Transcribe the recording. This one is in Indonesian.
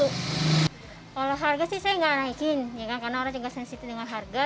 kalau harga sih saya nggak naikin karena orang juga sensitif dengan harga